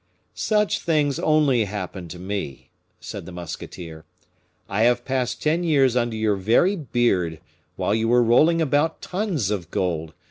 "Such things only happen to me," said the musketeer. "I have passed ten years under your very beard, while you were rolling about tons of gold.